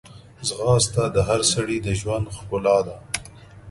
ځغاسته د هر سړي د ژوند ښکلا ده